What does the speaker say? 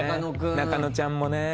中野ちゃんもね。